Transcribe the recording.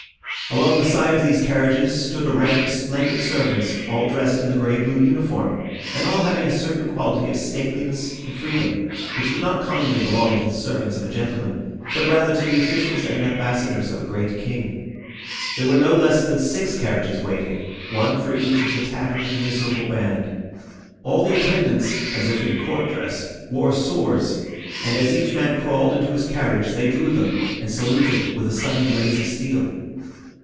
Along the side of these carriages stood a rank of splendid servants, all dressed in the grey blue uniform, and all having a certain quality of stateliness and freedom which would not commonly belong to the servants of a gentleman, but rather to the officials and ambassadors of a great king. There were no less than six carriages waiting, one for each of the tattered and miserable band. All the attendants (as if in court dress) wore swords, and as each man crawled into his carriage they drew them, and saluted with a sudden blaze of steel.